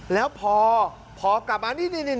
แล้วพอกลับมานี่นี่๐๐๐